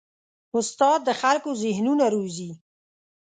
استاد د خلکو ذهنونه روزي.